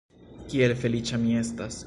Kiel feliĉa mi estas!